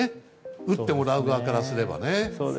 打ってもらう側からすれば。